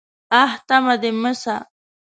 _اه! تمه دې مه باسه.